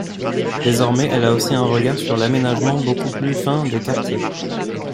Désormais, elle a aussi un regard sur l'aménagement beaucoup plus fin des quartiers.